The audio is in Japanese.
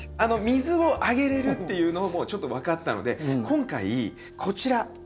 水をあげれるっていうのをちょっと分かったので今回こちら。